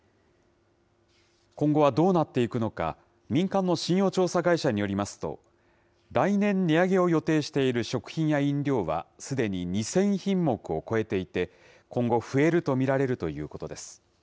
今後はどうなっていくのか、民間の信用調査会社によりますと、来年、値上げを予定している食品や飲料はすでに２０００品目を超えていて、今後、増えると見られるということです。